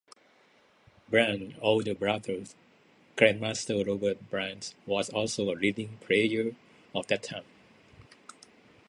Byrne's older brother, Grandmaster Robert Byrne, was also a leading player of that time.